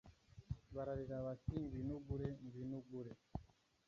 Bararira bati Ngwino ugure ngwino ugure